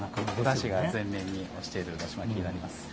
おだしが前面に押しているだし巻きになります。